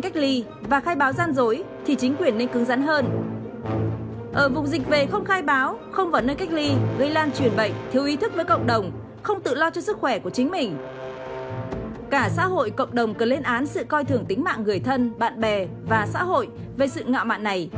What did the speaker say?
cả xã hội cộng đồng cần lên án sự coi thường tính mạng người thân bạn bè và xã hội về sự ngạo mạng này